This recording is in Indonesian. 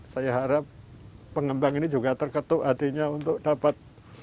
saya harap pengembang ini juga terketuk hatinya untuk dapat